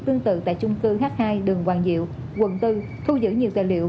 tương tự tại chung cư h hai đường hoàng diệu quận bốn thu giữ nhiều tài liệu